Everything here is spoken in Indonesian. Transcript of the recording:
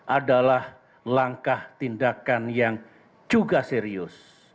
adalah langkah tindakan yang juga serius